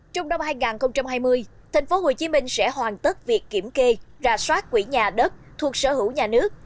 trong năm hai nghìn hai mươi tp hcm sẽ hoàn tất việc kiểm kê rà soát quỹ nhà đất thuộc sở hữu nhà nước